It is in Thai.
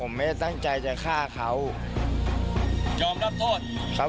สวัสดีครับ